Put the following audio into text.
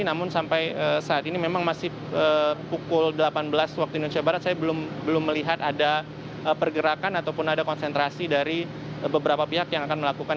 namun sampai saat ini memang masih pukul delapan belas waktu indonesia barat saya belum melihat ada pergerakan ataupun ada konsentrasi dari beberapa pihak yang akan melakukan